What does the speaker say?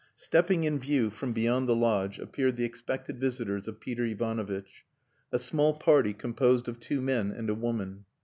Stepping in view from beyond the lodge appeared the expected visitors of Peter Ivanovitch: a small party composed of two men and a woman.